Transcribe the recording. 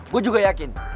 gua juga yakin